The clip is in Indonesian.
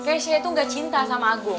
tapi bu kayaknya saya tuh gak cinta sama agung